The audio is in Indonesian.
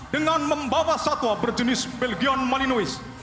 dengan membawa swatwa berjenis belgian malinois